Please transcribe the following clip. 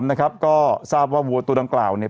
สอบถามนะครับก็ทราบว่าวัวตูดังกล่าวเนี่ย